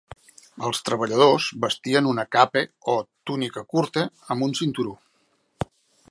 Els treballadors vestien una capa o túnica curta, amb un cinturó.